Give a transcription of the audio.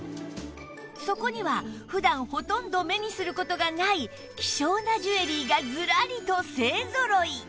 そこには普段ほとんど目にする事がない希少なジュエリーがずらりと勢ぞろい！